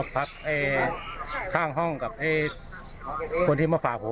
พักข้างห้องกับคนที่มาฝากผม